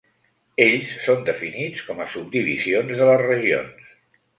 Ells són definits com a subdivisions de les regions.